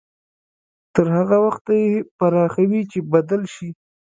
تر هغه وخته يې پراخوي چې بدل شي.